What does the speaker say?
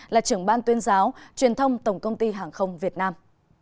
là trưởng ban tuyên giáo truyền thông tổng công ty hàng không việt nam